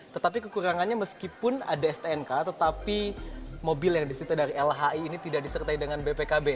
tetapi kekurangannya meskipun ada stnk tetapi mobil yang disita dari lhi ini tidak disertai dengan bpkb